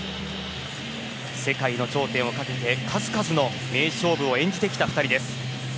世界の頂点をかけて数々の名勝負を演じてきた２人です。